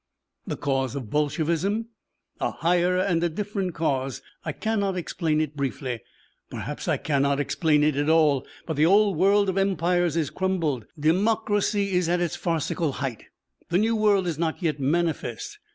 "The cause of Bolshevism?" "A higher and a different cause. I cannot explain it briefly. Perhaps I cannot explain it at all. But the old world of empires is crumbled. Democracy is at its farcical height. The new world is not yet manifest.